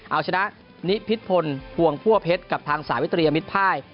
เอาชนะนิพิษพลพวงพั่วเพชรกับทางสาวิตรียมิตรภาย